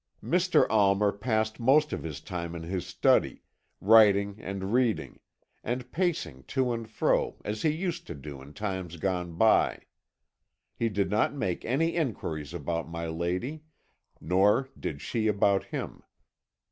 "Mr. Almer passed most of his time in his study, writing and reading, and pacing to and fro as he used to do in times gone by. He did not make any enquiries about my lady, nor did she about him.